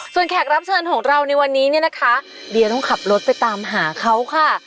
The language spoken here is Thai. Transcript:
ส่วนแขกรับเชิญของเราในวันนี้เนี่ยนะคะเดียต้องขับรถไปตามหาเขาค่ะ